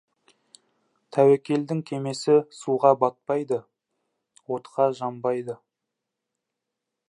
Тәуекелдің кемесі суға батпайды, отқа жанбайды.